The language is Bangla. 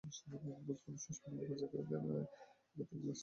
বস্তুত সুস্পষ্টভাবে প্রচার করে দেয়া ব্যতীত রাসূলের আর কোন দায়িত্ব নেই।